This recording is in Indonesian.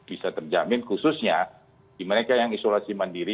bisa terjamin khususnya di mereka yang isolasi mandiri